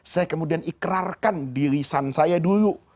saya kemudian ikrarkan di lisan saya dulu